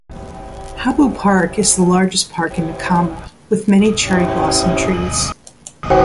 Habu Park is the largest park in Nakama, with many cherry blossom trees.